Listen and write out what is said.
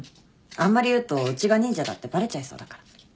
あんまり言うとうちが忍者だってバレちゃいそうだから。